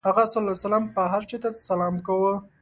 هغه ﷺ به هر چا ته سلام کاوه.